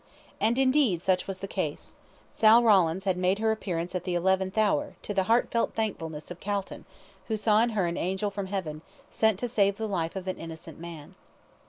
And, indeed, such was the case. Sal Rawlins had made her appearance at the eleventh hour, to the heartfelt thankfulness of Calton, who saw in her an angel from heaven, sent to save the life of an innocent man.